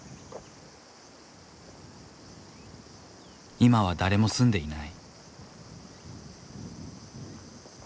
今は誰も住んでいない。